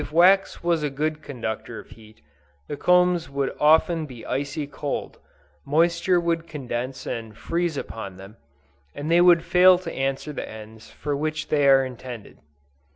If wax was a good conductor of heat, the combs would often be icy cold, moisture would condense and freeze upon them, and they would fail to answer the ends for which they are intended.